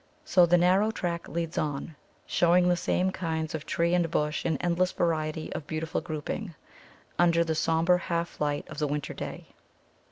So the narrow track leads on, showing the same kinds of tree and bush in endless variety of beautiful grouping, under the sombre half light of the winter day.